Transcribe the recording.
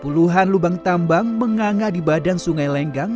puluhan lubang tambang menganga di badan sungai lenggang